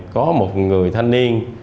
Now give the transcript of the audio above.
có một người thanh niên